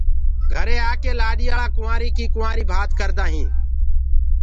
گھري آ ڪي لآڏآݪآ لآڏيآ ڪي ڪُنٚوآري ڀآتي ڪي رسم ڪردآ هينٚ۔